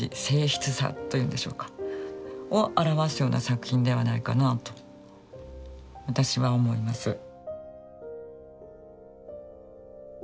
静謐さというんでしょうか。を表すような作品ではないかなと私は思います。